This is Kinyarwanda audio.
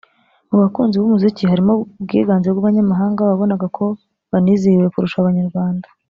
mu bakunzi b’umuziki harimo ubwiganze bw’abanyamahanga wabonaga ko banizihiwe kurusha Abanyarwanda